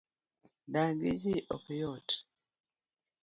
dak gi jii ok yot